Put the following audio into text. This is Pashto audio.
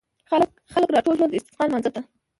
خلک راټول شول د استسقا لمانځه ته.